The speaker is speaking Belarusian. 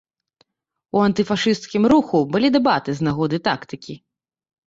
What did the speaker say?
У антыфашысцкім руху былі дэбаты з нагоды тактыкі.